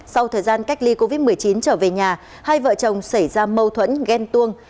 sau thời gian cách ly covid một mươi chín trở về nhà hai vợ chồng xảy ra mâu thuẫn ghen tuông